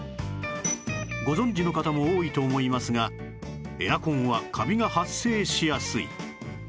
ご存じの方も多いと思いますがエアコンはカビが発生しやすい